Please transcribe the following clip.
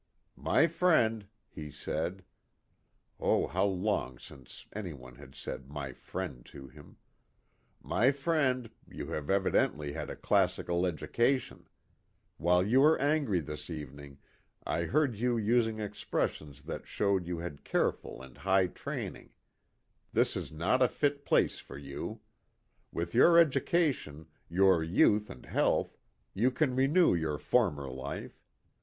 " My friend," he said (oh ! how long since any one had said my friend to him), "my friend, you have evidently had a classical education. When you were angry this evening, I heard you using expressions that showed you had careful and high training. This is not a fit place for you. With your education, your youth and health, you can renew your former life.